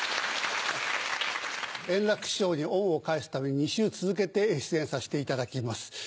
円楽師匠に恩を返すため２週続けて出演させていただきます。